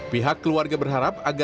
pihak keluarga berharap